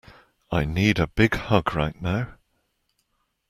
I need a big hug right now.